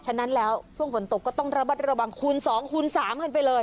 ฉะนั้นแล้วช่วงฝนตกก็ต้องระบัดระวังคูณ๒คูณ๓กันไปเลย